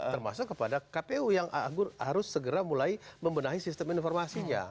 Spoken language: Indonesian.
termasuk kepada kpu yang harus segera mulai membenahi sistem informasinya